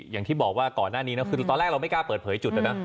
อย่างที่บอกว่าก่อนหน้านี้นะคือตอนแรกเราไม่กล้าเปิดเผยจุดนะนะ